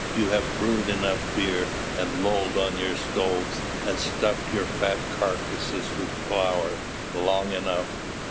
you have brewed enough beer, and lolled on your stoves, and stuffed your fat carcasses with flour, long enough!